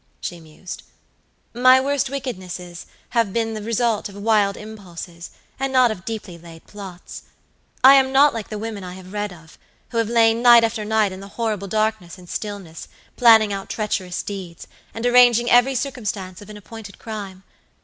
she mused. "My worst wickednesses have been the result of wild impulses, and not of deeply laid plots. I am not like the women I have read of, who have lain night after night in the horrible darkness and stillness, planning out treacherous deeds, and arranging every circumstance of an appointed crime.